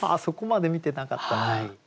そこまで見てなかったな。